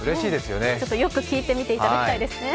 よく聴いてみていただきたいですね。